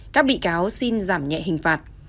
các bị cáo xin giảm nhẹ hình phạt